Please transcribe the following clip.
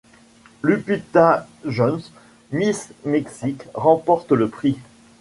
Lupita Jones, Miss Mexique, remporte le prix.